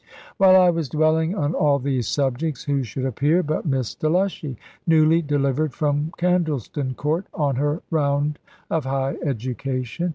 While I was dwelling on all these subjects, who should appear but Miss Delushy, newly delivered from Candleston Court, on her round of high education?